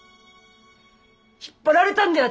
引っ張られたんだよ